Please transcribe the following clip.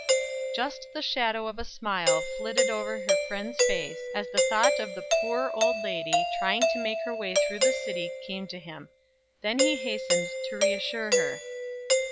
Just the shadow of a smile flitted over her friend's face as the thought of the poor old lady, trying to make her way through the city came to him. Then he hastened to reassure her.